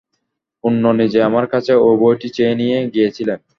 পূর্ণ নিজে আমার কাছে ঐ বইটি চেয়ে নিয়ে গিয়েছিলেন।